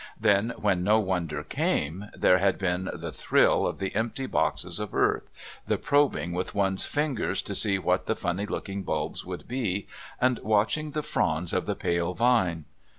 Then, when no wonder came, there had been the thrill of the empty boxes of earth; the probing with one's fingers to see what the funny looking bulbs would be, and watching the fronds of the pale vine.